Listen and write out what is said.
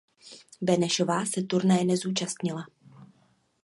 Benešová se turnaje nezúčastnila.